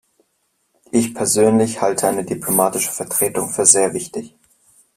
Ich persönlich halte eine diplomatische Vertretung für sehr wichtig.